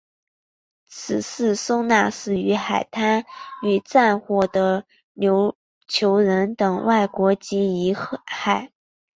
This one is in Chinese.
此祠收纳死于海难与战火的琉球人等外国籍遗骸。